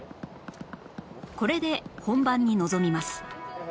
これで本番に臨みます